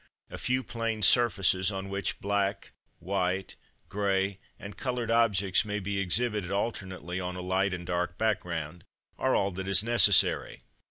A few plain surfaces, on which black, white, grey, and coloured objects may be exhibited alternately on a light and dark ground, are all that is necessary.